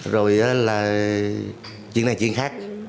rồi là chuyện này chuyện khác